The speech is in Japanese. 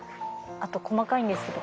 あと細かいんですけど。